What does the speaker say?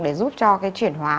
để giúp cho cái chuyển hóa